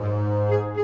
gak ada apa apa